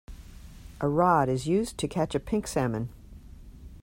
A rod is used to catch pink salmon.